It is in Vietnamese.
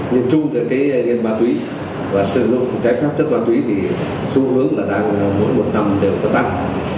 nhìn chung là cái nghiên ma túy và sử dụng trái phép chất ma túy thì xu hướng là đang mỗi một năm đều có tăng